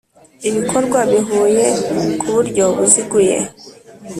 Ibikorwa bihuye ku buryo buziguye.